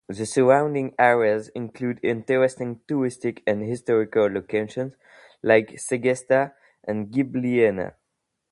The surrounding areas include interesting touristic and historical locations like Segesta and Gibellina.